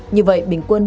như vậy bình luận là